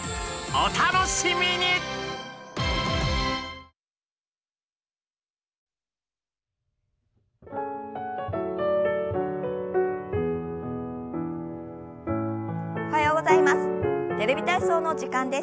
おはようございます。